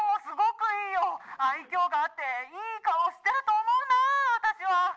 すごくいいよ」「愛嬌があっていい顔してると思うな私は」